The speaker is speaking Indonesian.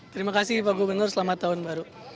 terima kasih pak gubernur selamat tahun baru